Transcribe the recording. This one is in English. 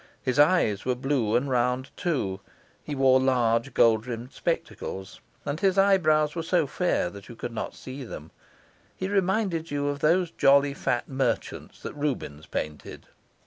His eyes were blue and round too, he wore large gold rimmed spectacles, and his eyebrows were so fair that you could not see them. He reminded you of those jolly, fat merchants that Rubens painted.